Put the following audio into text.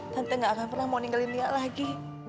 tante gak akan pernah mau ninggalin lia lagi